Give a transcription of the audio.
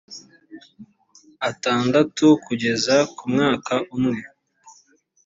atandatu kugeza ku mwaka umwe